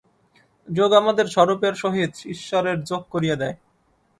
যোগ আমাদের স্বরূপের সহিত ঈশ্বরের যোগ করিয়া দেয়।